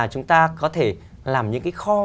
chúng ta có thể làm những cái kho